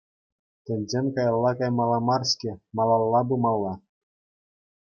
Тӗнчен каялла каймалла мар-ҫке, малалла пымалла.